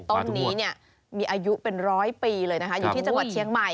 ต้นนี้เนี่ยมีอายุเป็นร้อยปีเลยนะคะอยู่ที่จังหวัดเชียงใหม่